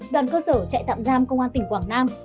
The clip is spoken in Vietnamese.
đoàn cơ sở trại tạm giam công an tỉnh quảng nam